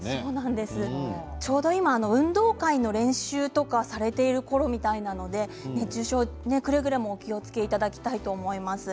ちょうど今、運動会の練習とかされているころもあるみたいなので熱中症くれぐれもお気をつけいただきたいと思います。